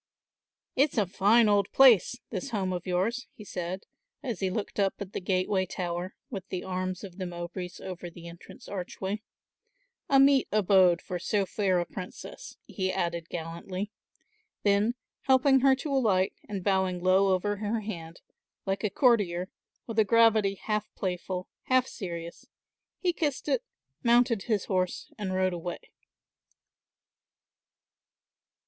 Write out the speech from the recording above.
"It's a fine old place, this home of yours," he said, as he looked up at the gateway tower, with the arms of the Mowbrays over the entrance archway; "a meet abode for so fair a princess," he added gallantly; then helping her to alight and bowing low over her hand, like a courtier, with a gravity half playful, half serious, he kissed it, mounted his horse and rode away.